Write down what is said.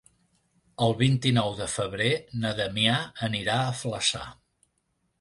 El vint-i-nou de febrer na Damià anirà a Flaçà.